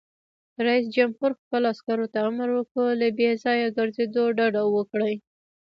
رئیس جمهور خپلو عسکرو ته امر وکړ؛ له بې ځایه ګرځېدو ډډه وکړئ!